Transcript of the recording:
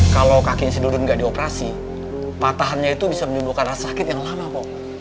kalau kakinya si dudun gak dioperasi patahannya itu bisa menyembuhkan rasa sakit yang lama pok